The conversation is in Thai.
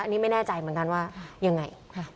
อันนี้ไม่แน่ใจเหมือนกันว่ายังไง